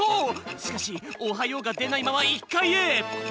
しかし「おはよう」がでないまま１かいへ。